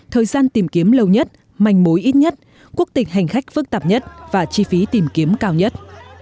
thời gian tìm kiếm lâu nhất manh mối ít nhất quốc tịch hành khách phức tạp nhất và chi phí tìm kiếm cao nhất